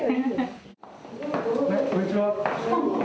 こんにちは。